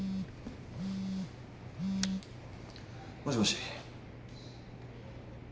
もしもし。